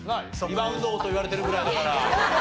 リバウンド王と言われてるぐらいだから。